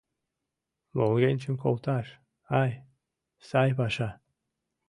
Волгенчым колташ — ай, сай паша!